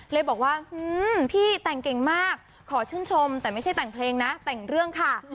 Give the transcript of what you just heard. เลยบอกว่าพี่แต่งเก่งมากขอชื่นชมแต่ไม่ใช่แต่งเพลงนะแต่งเรื่องค่ะ